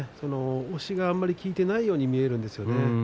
押しがあまり効いていないように見えるんですよね。